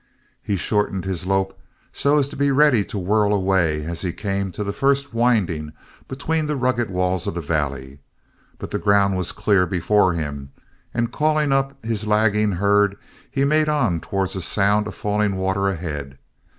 He shortened his lope so as to be ready to whirl away as he came to the first winding between the rugged walls of the valley but the ground was clear before him and calling up his lagging herd, he made on towards a sound of falling water ahead.